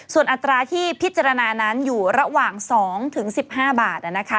ส่วนอัตราที่พิจารณานั้นอยู่ระหว่าง๒๑๕บาท